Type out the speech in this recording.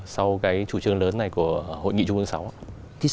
sau chủ trương lớn này của hội nghị trung quân sáu